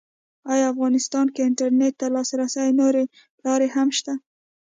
ایا افغانستان کې انټرنېټ ته د لاسرسي نورې لارې هم شته؟